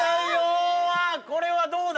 これはどうだ？